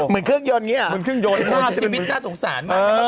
เหมือนเครื่องยนต์แบบนี้